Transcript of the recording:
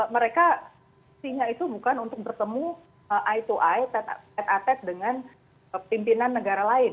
mereka sehingga itu bukan untuk bertemu eye to eye head to head dengan pimpinan negara lain